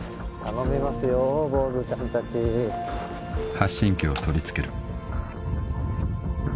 ［発信器を取り付ける］